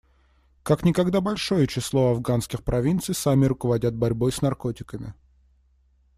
Как никогда большое число афганских провинций сами руководят борьбой с наркотиками.